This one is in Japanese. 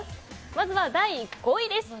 まずは第５位です。